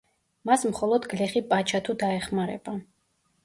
მას მხოლოდ გლეხი პაჩა თუ დაეხმარება.